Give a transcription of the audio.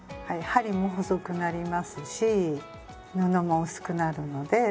はい針も細くなりますし布も薄くなるので。